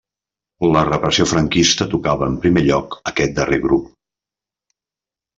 La repressió franquista tocava en primer lloc aquest darrere grup.